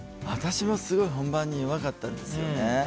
私もすごい本番に弱かったんですよね。